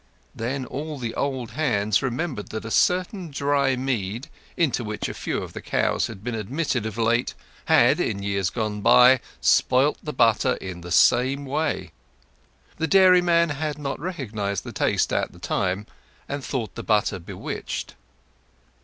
Then all the old hands remembered that a certain dry mead, into which a few of the cows had been admitted of late, had, in years gone by, spoilt the butter in the same way. The dairyman had not recognized the taste at that time, and thought the butter bewitched.